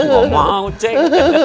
gak mau cek